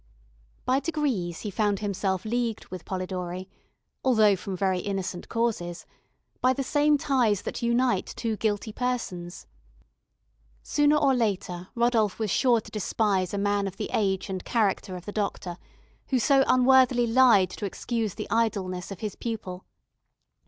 By degrees, he found himself leagued with Polidori (although from very innocent causes) by the same ties that unite two guilty persons. Sooner or later, Rodolph was sure to despise a man of the age and character of the doctor, who so unworthily lied to excuse the idleness of his pupil.